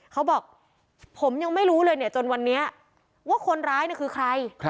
เขาบอกผมยังไม่รู้เลยเนี่ยจนวันนี้ว่าคนร้ายคือใคร